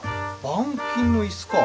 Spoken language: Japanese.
板金の椅子か。